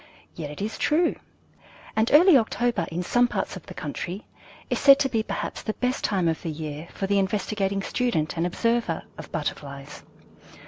Yet it is true, and early October, in some parts of the country, is said to be perhaps the best time of the year for the investigating student and observer of Butterflies.